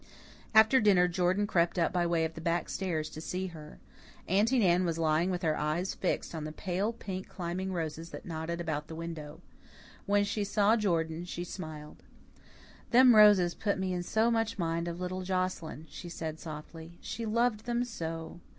After dinner Jordan crept up by way of the back stairs to see her. Aunty Nan was lying with her eyes fixed on the pale pink climbing roses that nodded about the window. When she saw Jordan she smiled. "Them roses put me so much in mind of little Joscelyn," she said softly. "She loved them so.